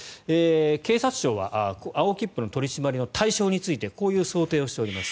警察庁は青切符の取り締まりの対象についてこういう想定をしております。